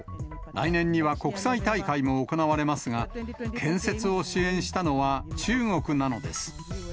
来年には国際大会も行われますが、建設を支援したのは中国なのです。